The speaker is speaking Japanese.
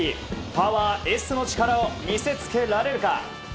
パワーＳの力を見せつけられるか。